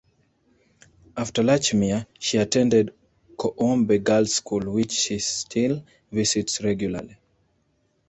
After Latchmere, she attended Coombe Girls' School, which she still visits regularly.